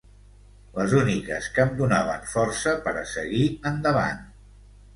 Les úniques que em donaven força per a seguir endavant.